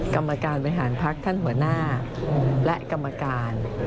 กรรมการบริหารพักท่านหัวหน้าและกรรมการ